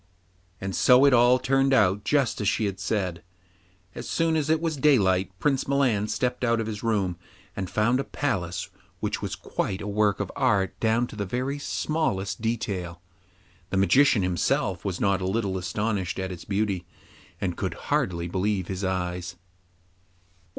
And so it all turned out just as she had said. As soon as it was daylight Prince Milan stepped out of his room, and found a palace which was quite a work of art down to the very smallest detail. The Magician himself was not a little astonished at its beauty, and could hardly believe his eyes.